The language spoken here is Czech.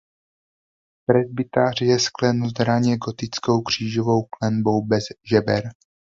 Presbytář je sklenut raně gotickou křížovou klenbou bez žeber.